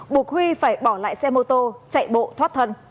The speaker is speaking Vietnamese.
buộc huy phải bỏ lại xe mô tô chạy bộ thoát thần